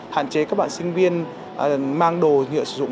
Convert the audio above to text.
hạn chế các bạn sinh viên mang đồ nhựa sử dụng